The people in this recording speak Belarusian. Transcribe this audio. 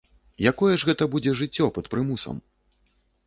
Якое ж гэта будзе жыццё пад прымусам?